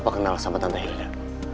papa kenal sama tante hilda